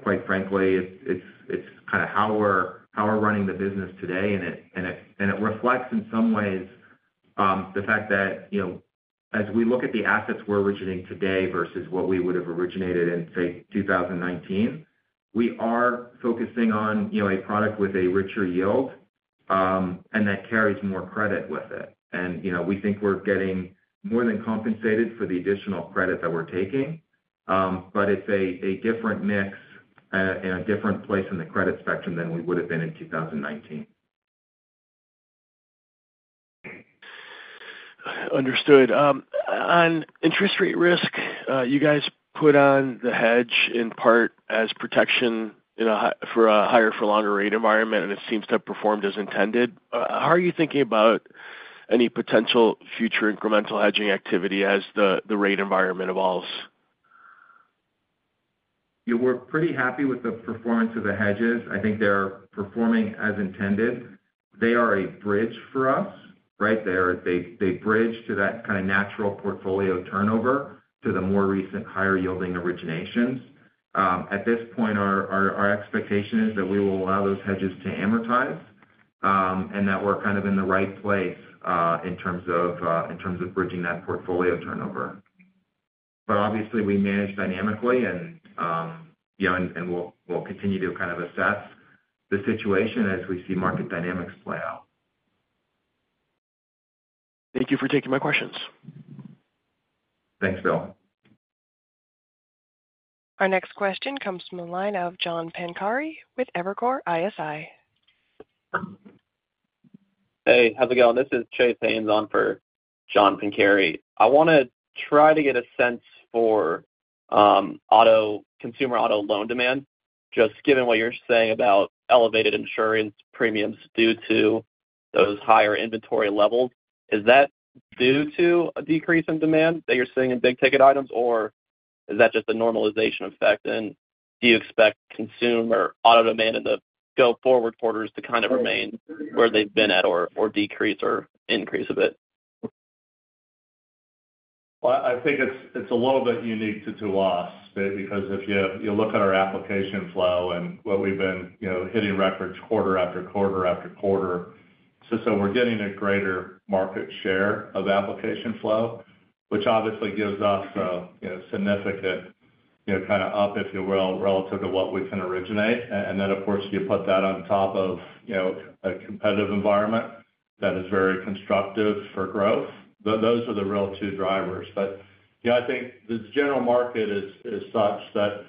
quite frankly, it's kind of how we're running the business today. And it reflects in some ways the fact that as we look at the assets we're originating today versus what we would have originated in, say, 2019, we are focusing on a product with a richer yield, and that carries more credit with it. And we think we're getting more than compensated for the additional credit that we're taking. But it's a different mix and a different place in the credit spectrum than we would have been in 2019. Understood. On interest rate risk, you guys put on the hedge in part as protection for a higher-for-longer rate environment, and it seems to have performed as intended. How are you thinking about any potential future incremental hedging activity as the rate environment evolves? We're pretty happy with the performance of the hedges. I think they're performing as intended. They are a bridge for us, right? They bridge to that kind of natural portfolio turnover to the more recent higher-yielding originations. At this point, our expectation is that we will allow those hedges to amortize and that we're kind of in the right place in terms of bridging that portfolio turnover. But obviously, we manage dynamically, and we'll continue to kind of assess the situation as we see market dynamics play out. Thank you for taking my questions. Thanks, Bill. Our next question comes from the line of John Pancari with Evercore ISI. Hey. How's it going? This is Chase Haynes on for John Pancari. I want to try to get a sense for consumer auto loan demand. Just given what you're saying about elevated insurance premiums due to those higher inventory levels, is that due to a decrease in demand that you're seeing in big-ticket items, or is that just a normalization effect? And do you expect consumer auto demand in the go-forward quarters to kind of remain where they've been at or decrease or increase a bit? Well, I think it's a little bit unique to us because if you look at our application flow and what we've been hitting records quarter after quarter after quarter, so we're getting a greater market share of application flow, which obviously gives us a significant kind of up, if you will, relative to what we can originate. And then, of course, you put that on top of a competitive environment that is very constructive for growth. Those are the real two drivers. But I think the general market is such that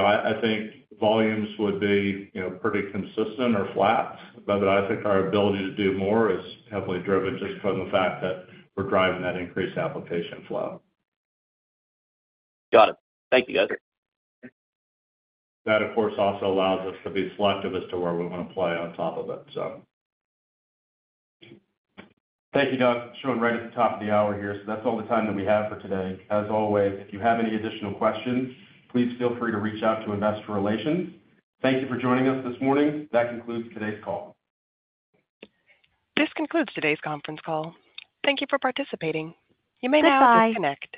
I think volumes would be pretty consistent or flat. But I think our ability to do more is heavily driven just from the fact that we're driving that increased application flow. Got it. Thank you, guys. That, of course, also allows us to be selective as to where we want to play on top of it, so. Thank you, Doug. It's showing right at the top of the hour here. So that's all the time that we have for today. As always, if you have any additional questions, please feel free to reach out to investor relations. Thank you for joining us this morning. That concludes today's call. This concludes today's conference call. Thank you for participating. You may now disconnect.